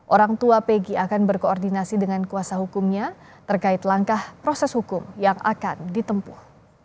orang tua pegi akan berkoordinasi dengan kuasa hukumnya terkait langkah proses hukum yang akan ditempuh